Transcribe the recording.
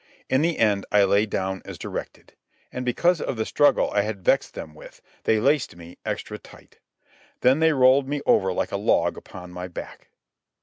In the end I lay down as directed. And, because of the struggle I had vexed them with, they laced me extra tight. Then they rolled me over like a log upon my back.